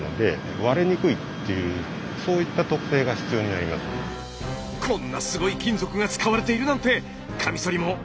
こんなすごい金属が使われているなんてカミソリも結構すごいでしょ。